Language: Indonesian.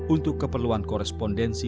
untuk keperluan korespondensi